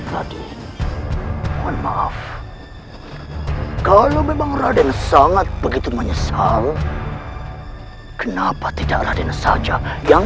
raden mohon maaf kalau memang raden sangat begitu menyesal kenapa tidak raden saja yang